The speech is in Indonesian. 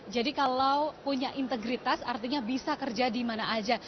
jadi kalau punya integritas artinya bisa kerja dimana aja